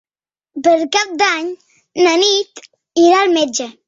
Per Cap d'Any na Nit irà al metge.